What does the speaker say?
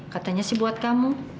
katanya sih buat kamu